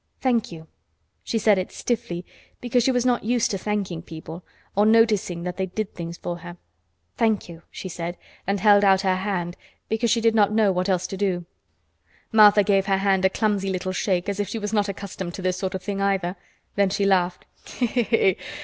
Thank you." She said it stiffly because she was not used to thanking people or noticing that they did things for her. "Thank you," she said, and held out her hand because she did not know what else to do. Martha gave her hand a clumsy little shake, as if she was not accustomed to this sort of thing either. Then she laughed.